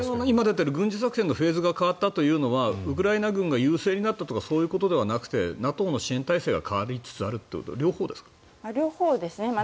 今出ている軍事作戦のフェーズが変わったというのはウクライナ軍が優勢になったとかそういうことではなくてＮＡＴＯの支援体制が変わりつつあると両方ですか？